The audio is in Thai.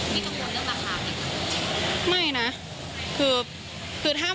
มีกับคนเรื่องราคาไหมครับ